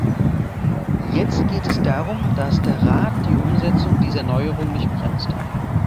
Jetzt geht es darum, dass der Rat die Umsetzung dieser Neuerungen nicht bremst.